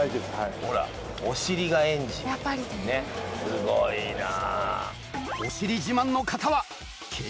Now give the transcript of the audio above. すごいなぁ。